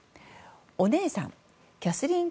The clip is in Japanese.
お姉さんキャスリーン